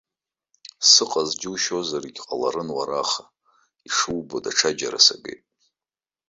Сыҟаз џьушьозаргьы ҟаларын уара, аха, ишубо, даҽаџьара сагеит.